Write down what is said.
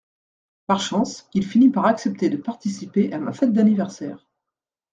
Par chance, il finit par accepter de participer à ma fête d’anniversaire.